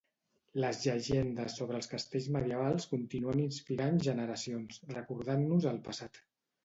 Les llegendes sobre els castells medievals continuen inspirant generacions, recordant-nos el passat.